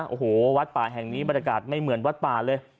โอ้โหวัดป่าแห่งนี้บรรยากาศไม่เหมือนวัดป่าเลย